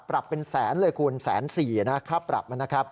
ปรับเป็นแสนเลยคุณแสนสี่นะครับปรับมันนะครับ